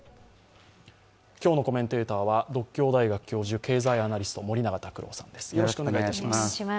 今日のコメンテーターは獨協大学経済学部教授、経済アナリスト、森永卓郎さんです。